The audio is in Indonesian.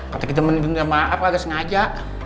kata kita mendinginnya maaf gak ada sengaja